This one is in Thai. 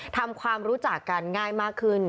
ทำความรู้จักกันง่ายมากขึ้น